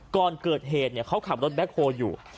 ก่อนเกิดเหตุเขาขับรถแบ็คโฮลอยู่